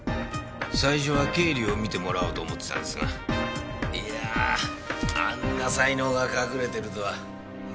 最初は経理を見てもらおうと思ってたんですがいやあんな才能が隠れてるとは。